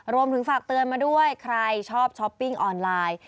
รวมถึงฝากเตือนมาด้วยใครชอบช้อปปิ้งออนไลน์